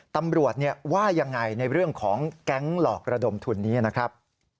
ตำรวจว่ายังไงในเรื่องของแก๊งหลอกระดมทุนนี้นะครับ